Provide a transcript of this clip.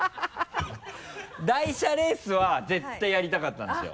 台車レースは絶対やりたかったんですよ。